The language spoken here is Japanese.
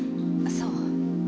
そう。